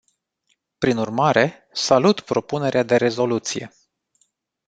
Prin urmare, salut propunerea de rezoluție.